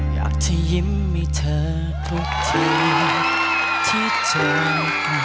อยากจะยิ้มให้เธอทุกทีที่เธอ